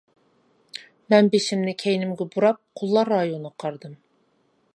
مەن بېشىمنى كەينىمگە بۇراپ قۇللار رايونىغا قارىدىم.